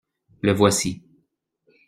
Le voici.